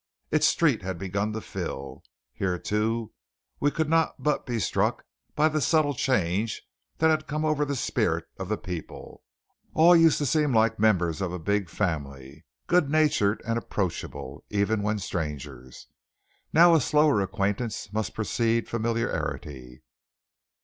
Its street had begun to fill. Here, too, we could not but be struck by the subtle change that had come over the spirit of the people. All used to seem like the members of a big family, good natured and approachable even when strangers. Now a slower acquaintance must precede familiarity.